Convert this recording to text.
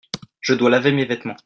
Je dois laver mes vêtements.